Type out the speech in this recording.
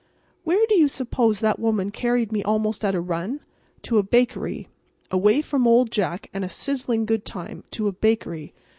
Where do you suppose that woman carried me almost at a run? To a bakery. Away from Old Jack and a sizzling good time to a bakery.